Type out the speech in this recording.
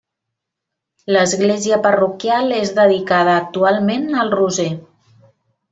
L'església parroquial és dedicada actualment al Roser.